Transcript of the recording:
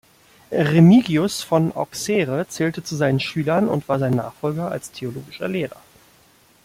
Remigius von Auxerre zählte zu seinen Schülern und war sein Nachfolger als theologischer Lehrer.